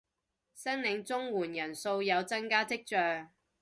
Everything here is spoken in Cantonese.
申領綜援人數有增加跡象